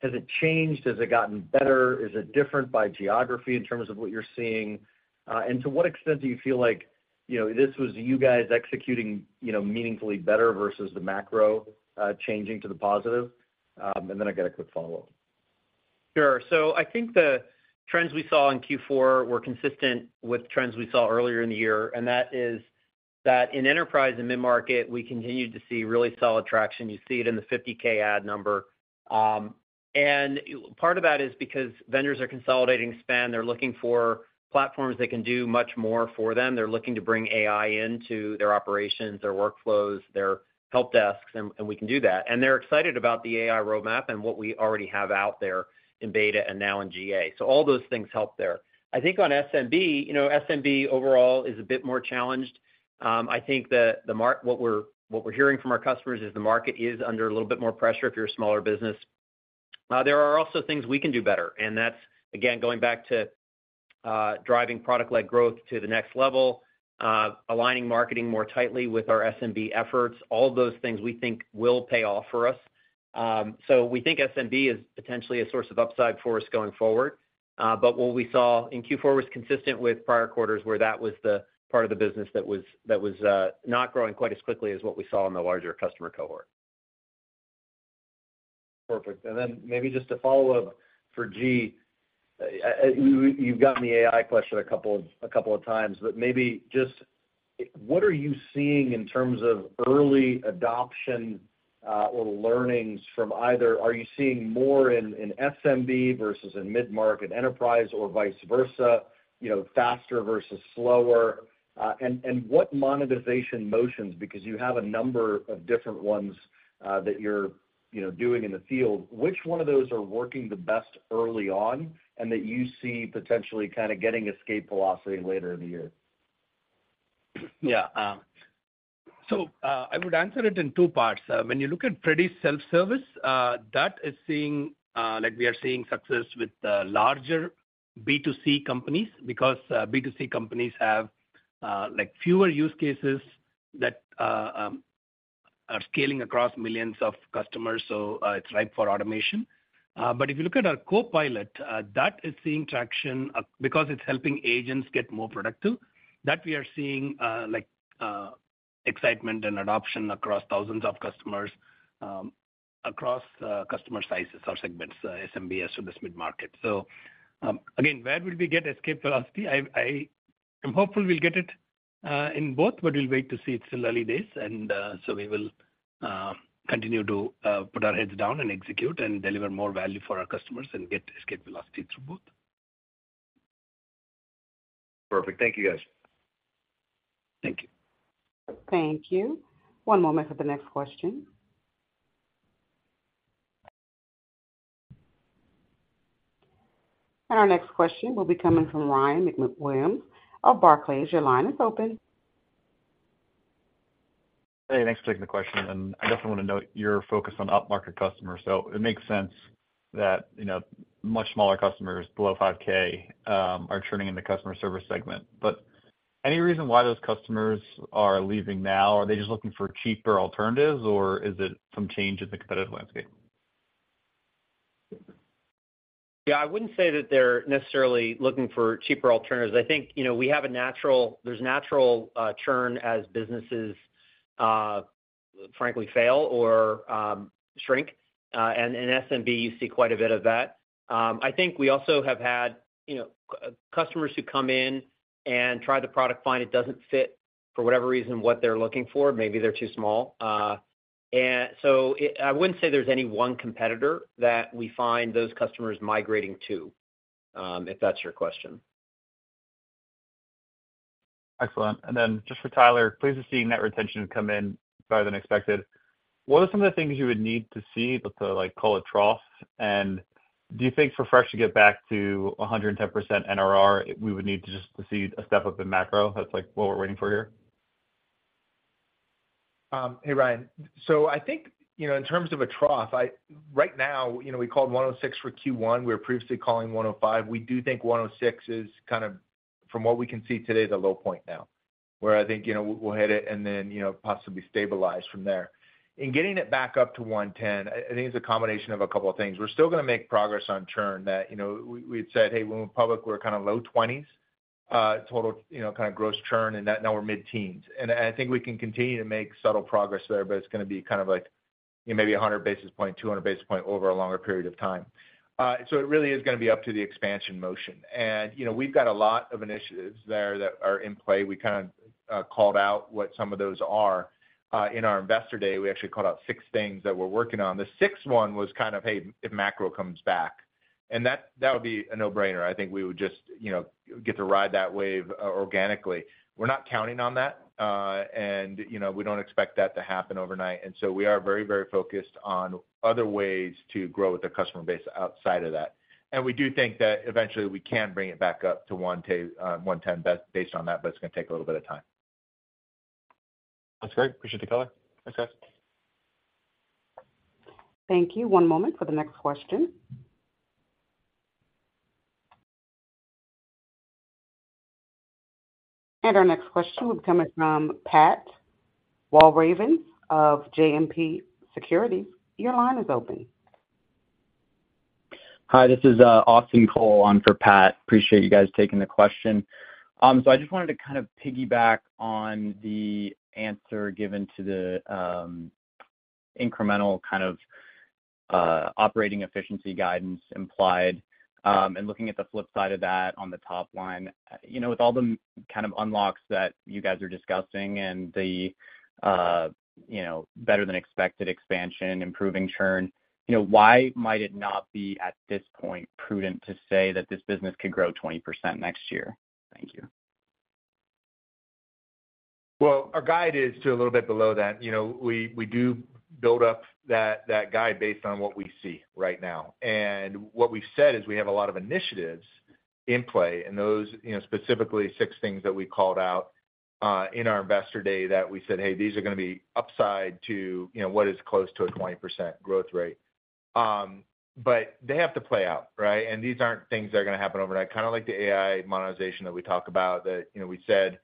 Has it changed? Has it gotten better? Is it different by geography in terms of what you're seeing? And to what extent do you feel like, you know, this was you guys executing, you know, meaningfully better versus the macro changing to the positive? And then I got a quick follow-up. Sure. So I think the trends we saw in fourth quarter were consistent with trends we saw earlier in the year, and that is that in enterprise and mid-market, we continued to see really solid traction. You see it in the 50K ad number. And part of that is because vendors are consolidating spend. They're looking for platforms that can do much more for them. They're looking to bring AI into their operations, their workflows, their help desks, and we can do that. And they're excited about the AI roadmap and what we already have out there in beta and now in GA. So all those things help there. I think on SMB, you know, SMB overall is a bit more challenged. I think that what we're hearing from our customers is the market is under a little bit more pressure if you're a smaller business. There are also things we can do better, and that's, again, going back to driving product-led growth to the next level, aligning marketing more tightly with our SMB efforts. All those things we think will pay off for us. So we think SMB is potentially a source of upside for us going forward. But what we saw in fourth quarter was consistent with prior quarters, where that was the part of the business that was not growing quite as quickly as what we saw in the larger customer cohort. Perfect. And then maybe just a follow-up for G. You've gotten the AI question a couple, a couple of times, but maybe just what are you seeing in terms of early adoption, or learnings from either... Are you seeing more in SMB versus in mid-market enterprise or vice versa, you know, faster versus slower? And what monetization motions, because you have a number of different ones that you're, you know, doing in the field. Which one of those are working the best early on, and that you see potentially kind of getting escape velocity later in the year? Yeah, so I would answer it in two parts. When you look at Freddy Self Service, that is seeing, like we are seeing success with the larger B2C companies, because B2C companies have, like, fewer use cases that are scaling across millions of customers, so it's ripe for automation. But if you look at our Freddy Copilot, that is seeing traction, because it's helping agents get more productive. That we are seeing, like, excitement and adoption across thousands of customers, across customer sizes or segments, SMB as well as mid-market. So, again, where would we get escape velocity? I am hopeful we'll get it in both, but we'll wait to see.It's still early days, and so we will continue to put our heads down and execute and deliver more value for our customers and get escape velocity through both. Perfect. Thank you, guys. Thank you. Thank you. One moment for the next question. Our next question will be coming from Ryan MacWilliams of Barclays. Your line is open. Hey, thanks for taking the question, and I definitely want to note your focus on upmarket customers. So it makes sense that, you know, much smaller customers below $5K are churning in the customer service segment. But any reason why those customers are leaving now? Are they just looking for cheaper alternatives, or is it some change in the competitive landscape? Yeah, I wouldn't say that they're necessarily looking for cheaper alternatives. I think, you know, there's natural churn as businesses frankly fail or shrink. And in SMB, you see quite a bit of that. I think we also have had, you know, customers who come in and try the product, find it doesn't fit for whatever reason, what they're looking for, maybe they're too small. And so I wouldn't say there's any one competitor that we find those customers migrating to, if that's your question. Excellent. Then just for Tyler, pleased to see net retention come in better than expected. What are some of the things you would need to see to, like, call a trough? And do you think for Fresh to get back to 110% NRR, we would need to just see a step up in macro? That's like what we're waiting for here. Hey, Ryan. So I think, you know, in terms of a trough, right now, you know, we called 106 for first quarter. We were previously calling 105. We do think 106 is kind of, from what we can see today, the low point now, where I think, you know, we'll hit it and then, you know, possibly stabilize from there. In getting it back up to 110, I think it's a combination of a couple of things. We're still gonna make progress on churn that, you know, we had said, "Hey, when we're public, we're kind of low 20s, total, you know, kind of gross churn, and that now we're mid-teens." And I think we can continue to make subtle progress there, but it's gonna be kind of like, you know, maybe a hundred basis points, two hundred basis points over a longer period of time. So it really is gonna be up to the expansion motion. And, you know, we've got a lot of initiatives there that are in play. We kind of called out what some of those are. In our Investor Day, we actually called out six things that we're working on. The sixth one was kind of, hey, if macro comes back. And that would be a no-brainer. I think we would just, you know, get to ride that wave organically. We're not counting on that, and, you know, we don't expect that to happen overnight, and so we are very, very focused on other ways to grow the customer base outside of that. And we do think that eventually we can bring it back up to 1 to 110 based on that, but it's gonna take a little bit of time. That's great. Appreciate the color. Thanks, guys. Thank you. One moment for the next question. Our next question will be coming from Pat Walravens of JMP Securities. Your line is open. Hi, this is Austin Cole on for Pat. Appreciate you guys taking the question. So I just wanted to kind of piggyback on the answer given to the incremental kind of operating efficiency guidance implied and looking at the flip side of that on the top line. You know, with all the kind of unlocks that you guys are discussing and the, you know, better than expected expansion, improving churn, you know, why might it not be, at this point, prudent to say that this business could grow 20% next year? Thank you. Well, our guide is to a little bit below that. You know, we do build up that guide based on what we see right now. And what we've said is we have a lot of initiatives in play, and those, you know, specifically six things that we called out in our Investor Day, that we said, "Hey, these are gonna be upside to, you know, what is close to a 20% growth rate." But they have to play out, right? And these aren't things that are gonna happen overnight, kind of like the AI monetization that we talk about, that, you know, we said,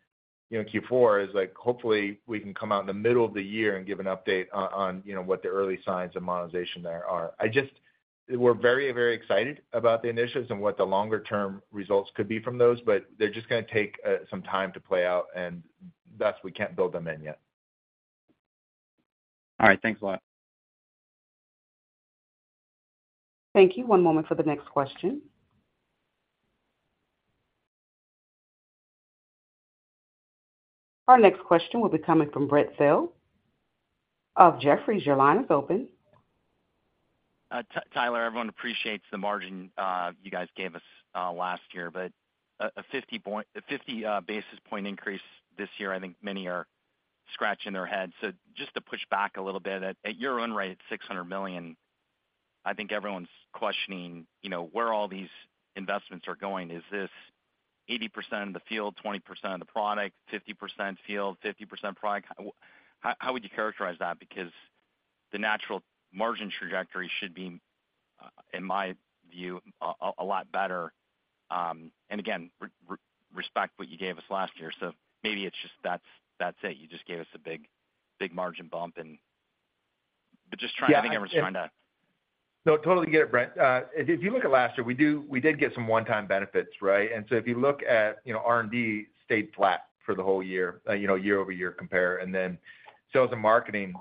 you know, fourth quarter is like, hopefully, we can come out in the middle of the year and give an update on, you know, what the early signs of monetization there are. We're very, very excited about the initiatives and what the longer-term results could be from those, but they're just gonna take some time to play out, and thus, we can't build them in yet. All right. Thanks a lot. Thank you. One moment for the next question. Our next question will be coming from Brent Thill of Jefferies. Your line is open. Tyler, everyone appreciates the margin you guys gave us last year, but a fifty point... a fifty basis point increase this year, I think many are scratching their heads. So just to push back a little bit, at your run rate, $600 million, I think everyone's questioning, you know, where all these investments are going. Is this 80% of the field, 20% of the product, 50% field, 50% product? How would you characterize that? Because the natural margin trajectory should be, in my view, a lot better. And again, respect what you gave us last year, so maybe it's just that's it, you just gave us a big margin bump and... But just trying... Yeah. Everything, I was trying to... No, totally get it, Brent. If you look at last year, we did get some one-time benefits, right? And so if you look at, you know, R&D stayed flat for the whole year, you know, year over year compare, and then sales and marketing,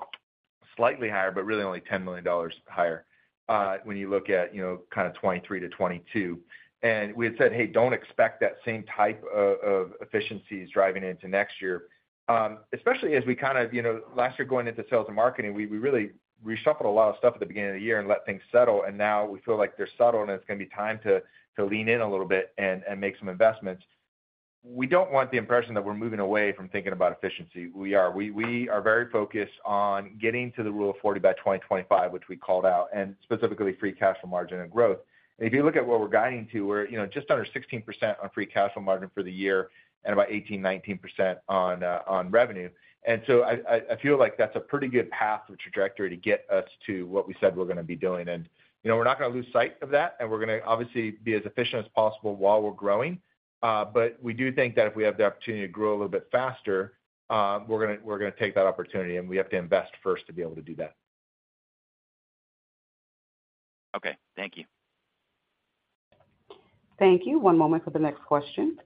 slightly higher, but really only $10 million higher, when you look at, you know, kind of 2023 to 2022. And we had said, "Hey, don't expect that same type of efficiencies driving into next year." Especially as we kind of, you know, last year, going into sales and marketing, we really reshuffled a lot of stuff at the beginning of the year and let things settle, and now we feel like they're settled, and it's gonna be time to lean in a little bit and make some investments. We don't want the impression that we're moving away from thinking about efficiency. We are... We, we are very focused on getting to the rule of 40 by 2025, which we called out, and specifically, free cash flow margin and growth. And if you look at what we're guiding to, we're, you know, just under 16% on free cash flow margin for the year and about 18% to 19% on revenue. And so, I feel like that's a pretty good path or trajectory to get us to what we said we're gonna be doing. And, you know, we're not gonna lose sight of that, and we're gonna obviously be as efficient as possible while we're growing. But we do think that if we have the opportunity to grow a little bit faster, we're gonna, we're gonna take that opportunity, and we have to invest first to be able to do that. Okay. Thank you. Thank you. One moment for the next question.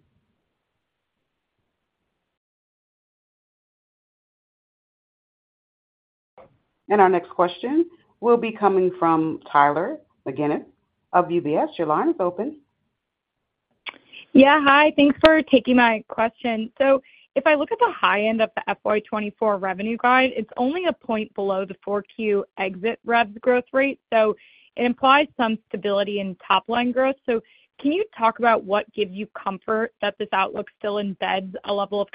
Our next question will be coming from Taylor McGinnis of UBS. Your line is open. Yeah, hi. Thanks for taking my question. So if I look at the high end of the FY 2024 revenue guide, it's only a point below the fourth quarter exit rev growth rate, so it implies some stability in top-line growth. So can you talk about what gives you comfort that this outlook still embeds a level of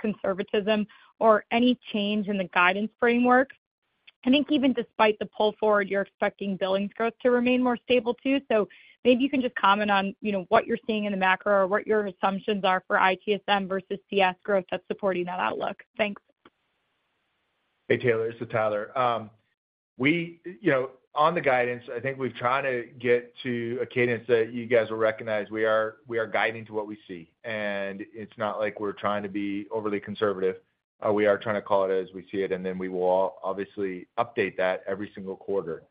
conservatism or any change in the guidance framework? I think even despite the pull forward, you're expecting billing growth to remain more stable, too. So maybe you can just comment on, you know, what you're seeing in the macro or what your assumptions are for ITSM versus CS growth that's supporting that outlook. Thanks. Hey, Taylor, this is Tyler. You know, on the guidance, I think we've tried to get to a cadence that you guys will recognize. We are guiding to what we see, and it's not like we're trying to be overly conservative. We are trying to call it as we see it, and then we will obviously update that every single quarter.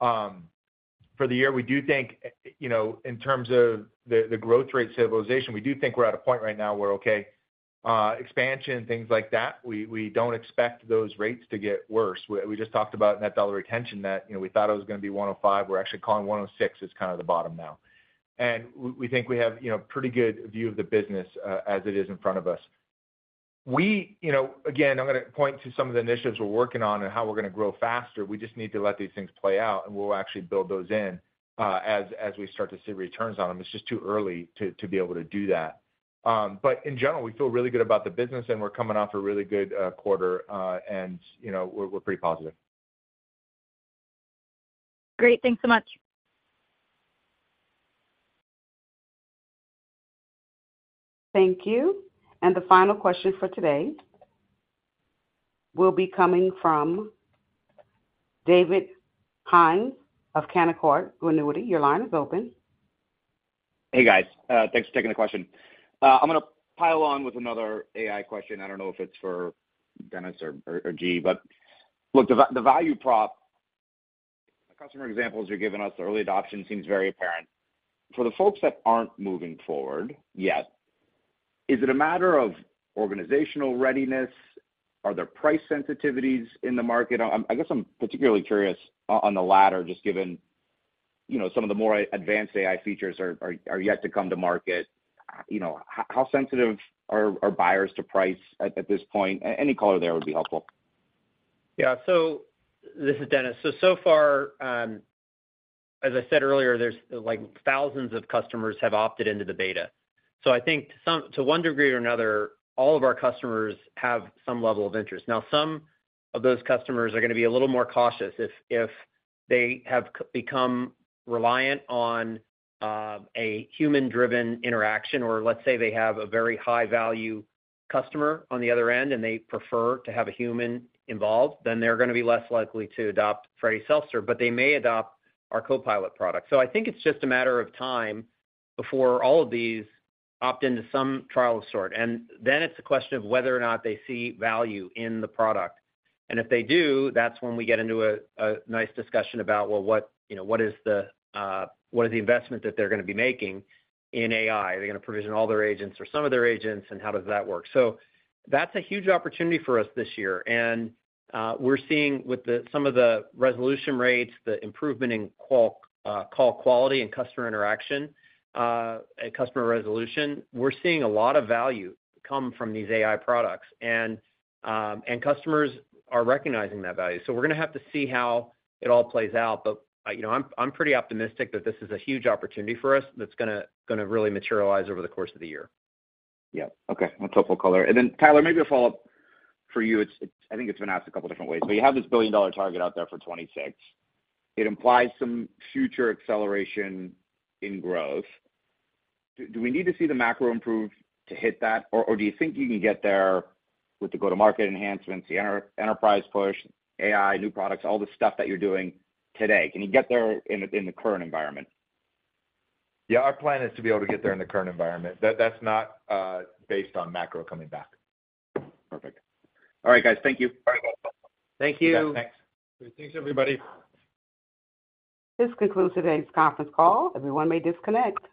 For the year, we do think you know, in terms of the growth rate stabilization, we do think we're at a point right now where, okay, expansion and things like that, we don't expect those rates to get worse. We just talked about Net Dollar Retention, that you know, we thought it was gonna be 105. We're actually calling 106 as kind of the bottom now. And we think we have, you know, pretty good view of the business, as it is in front of us. We, you know, again, I'm gonna point to some of the initiatives we're working on and how we're gonna grow faster. We just need to let these things play out, and we'll actually build those in, as we start to see returns on them. It's just too early to be able to do that. But in general, we feel really good about the business, and we're coming off a really good quarter, and, you know, we're pretty positive. Great. Thanks so much. Thank you. The final question for today will be coming from David Hynes of Canaccord Genuity. Your line is open. Hey, guys. Thanks for taking the question. I'm gonna pile on with another AI question. I don't know if it's for Dennis or G, but look, the value prop, the customer examples you're giving us, the early adoption seems very apparent. For the folks that aren't moving forward yet, is it a matter of organizational readiness? Are there price sensitivities in the market? I guess I'm particularly curious on the latter, just given, you know, some of the more advanced AI features are yet to come to market. You know, how sensitive are buyers to price at this point? Any color there would be helpful. Yeah. So this is Dennis. So far, as I said earlier, there's like thousands of customers have opted into the beta. So I think some to one degree or another, all of our customers have some level of interest. Now, some of those customers are gonna be a little more cautious. If they have become reliant on a human-driven interaction, or let's say they have a very high-value customer on the other end, and they prefer to have a human involved, then they're gonna be less likely to adopt Freddy Self Service, but they may adopt our Freddy Copilot product. So, I think it's just a matter of time before all of these opt into some trial of sort. And then it's a question of whether or not they see value in the product. And if they do, that's when we get into a nice discussion about, well, what, you know, what is the investment that they're gonna be making in AI? Are they gonna provision all their agents or some of their agents, and how does that work? So that's a huge opportunity for us this year, and we're seeing with some of the resolution rates, the improvement in call quality and customer interaction, and customer resolution, we're seeing a lot of value come from these AI products, and and customers are recognizing that value. So, we're gonna have to see how it all plays out, but you know, I'm pretty optimistic that this is a huge opportunity for us that's gonna really materialize over the course of the year. Yeah. Okay. That's helpful color. Then, Tyler, maybe a follow-up for you. It's—I think it's been asked a couple different ways, but you have this billion-dollar target out there for 2026. It implies some future acceleration in growth. Do we need to see the macro improve to hit that? Or do you think you can get there with the go-to-market enhancements, the enterprise push, AI, new products, all the stuff that you're doing today? Can you get there in the current environment? Yeah. Our plan is to be able to get there in the current environment. That's not based on macro coming back. Perfect. All right, guys. Thank you. All right, bye. Thank you. Yeah, thanks. Great. Thanks, everybody. This concludes today's conference call. Everyone may disconnect.